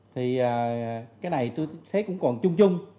thì cái này tôi thấy cũng còn chung chung